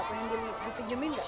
pengen dipinjemin enggak